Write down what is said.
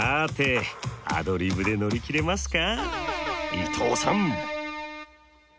伊藤さん！